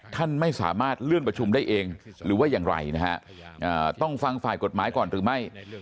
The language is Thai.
ท่านไม่สามารถเลื่อนประชุมได้เองหรือว่าอย่างไรนะฮะต้องฟังฝ่ายกฎหมายก่อนหรือไม่